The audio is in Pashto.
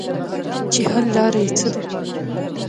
چې حل لاره ئې څۀ ده -